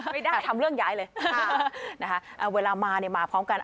ไม่ได้ทำเรื่องย้ายเลยนะคะเวลามาเนี่ยมาพร้อมกัน